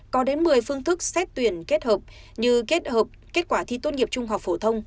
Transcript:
có đến một mươi phương thức xét tuyển kết hợp như kết hợp kết quả thi tốt nghiệp trung học phổ thông